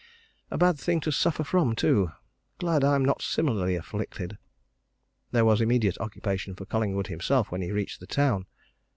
A bad thing to suffer from, too glad I'm not similarly afflicted!" There was immediate occupation for Collingwood himself when he reached the town.